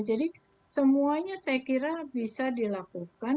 jadi semuanya saya kira bisa dilakukan